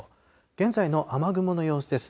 現在の雨雲の様子です。